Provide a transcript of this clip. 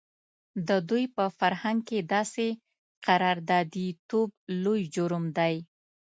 د دوی په فرهنګ کې داسې قراردادي توب لوی جرم دی.